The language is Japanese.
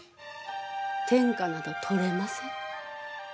天下など取れません。